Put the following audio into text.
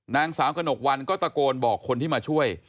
นางสาวกระหนกวันก็ตะโกนบอกคนที่มาช่วย